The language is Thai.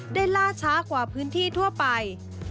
ล่าช้ากว่าพื้นที่ทั่วไป